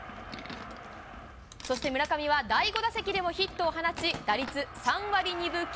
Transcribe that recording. そして村上は第５打席でもヒットを放ち、打率３割２分９厘。